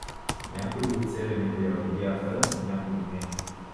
Някои от селяните я видяха, някои не.